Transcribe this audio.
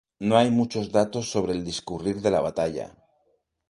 No hay muchos datos sobre el discurrir de la batalla.